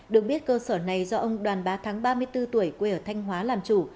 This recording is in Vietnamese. được biết cơ sở này do ông đoàn bá thắng ba mươi bốn tuổi quê ở thanh hóa làm chủ